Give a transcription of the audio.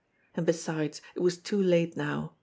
And besides it was too late now.